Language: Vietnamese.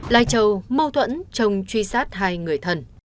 lai châu mâu thuẫn chồng truy sát hai người thần